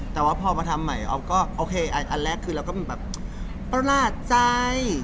แต่พอมาทำใหม่ออกมาอันแรกคือเราก็ประนาจใจ